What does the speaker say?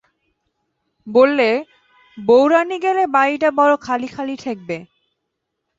বললে, বউরানী গেলে বাড়িটা বড়ো খালি-খালি ঠেকবে।